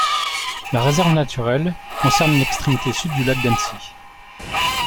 La réserve naturelle concerne l'extrémité sud du lac d'Annecy.